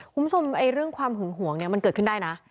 คุณผู้ชมเรื่องความห่วงมันเกิดขึ้นได้นะ